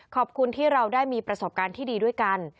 ขอบคุณที่เราได้มีประสบการณ์ที่ดีด้วยกัน